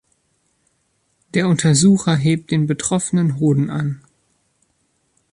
Der Untersucher hebt den betroffenen Hoden an.